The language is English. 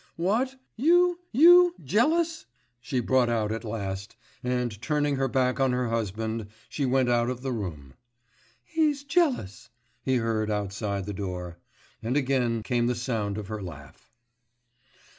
'What? you? you jealous?' she brought out at last, and turning her back on her husband she went out of the room. 'He's jealous!' he heard outside the door, and again came the sound of her laugh.